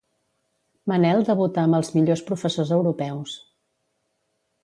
Manel debuta amb Els millors professors europeus.